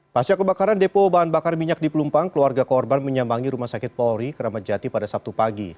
pasca kebakaran depo bahan bakar minyak di pelumpang keluarga korban menyambangi rumah sakit polri keramat jati pada sabtu pagi